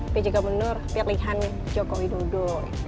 pjk mundur pilihan joko widodo